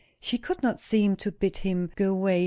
She could not seem to bid him go away.